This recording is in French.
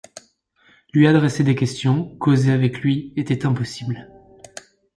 Lui adresser des questions, causer avec lui, était impossible.